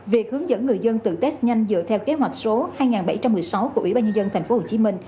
việc hướng dẫn người dân tự test nhanh dựa theo kế hoạch số hai nghìn bảy trăm một mươi sáu của ủy ban nhân dân tp hcm